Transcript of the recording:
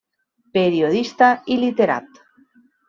Periodista i literat.